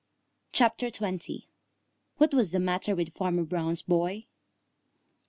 CHAPTER XX WHAT WAS THE MATTER WITH FARMER BROWN'S BOY?